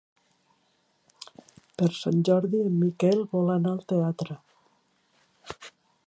Per Sant Jordi en Miquel vol anar al teatre.